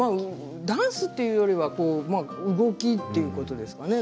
ダンスというよりは動きということですよね